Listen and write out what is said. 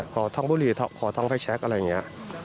ขอทั้งบุรีขอทั้งไฟแช็คอะไรอย่างนี้